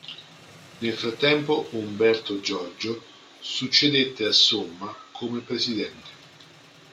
Nel frattempo Umberto Giorgio succedette a Somma come presidente.